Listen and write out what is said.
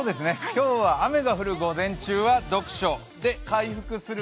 今日は雨が降る午前中は読書で回復する